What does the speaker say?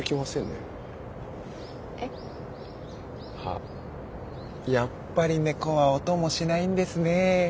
あやっぱり猫はお供しないんですねえ